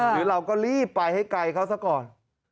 หรือเราก็รีบไปให้ไกลเขาซะก่อน